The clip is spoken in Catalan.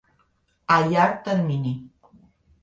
A llarg termini.